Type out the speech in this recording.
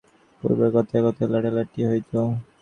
পূর্বে কথায় কথায় লাঠালাঠি হইত।